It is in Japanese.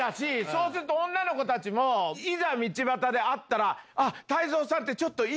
そうすると女の子たちもいざ道端で会ったら。